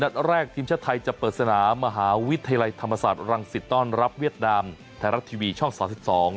นัดแรกทีมชาติไทยจะเปิดสนามหาวิทยาลัยธรรมศาสตร์รังสิทธิ์ต้อนรับเวียดดามไทยรัฐทีวีช่อง๓๒